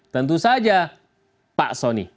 tentu saja pak soni